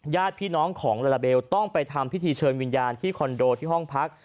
ญาติพี่น้องของลาลาเบลต้องไปทำพิธีเชิญวิญญาณที่คอนโดที่ห้องพัก